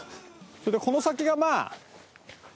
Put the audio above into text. それでこの先がまあ。